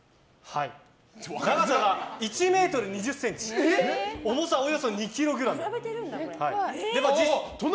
長さが１ｍ２０ｃｍ重さおよそ２ｋｇです。